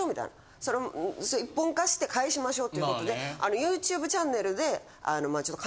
それ一本化して返しましょうっていう事でＹｏｕＴｕｂｅチャンネルで。